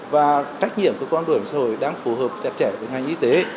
và trách nhiệm của quan đoàn xã hội đang phù hợp chặt chẽ với ngành y tế